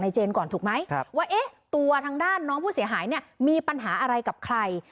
เจนก่อนถูกไหมว่าตัวทางด้านน้องผู้เสียหายเนี่ยมีปัญหาอะไรกับใคร